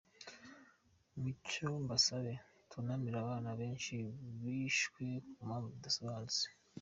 Mucyo mbasabe twunamire abana benshi bishwe ku mpamvu zidasobanutse.